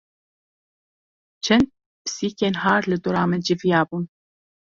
Çend pisîkên har li dora me civiyabûn.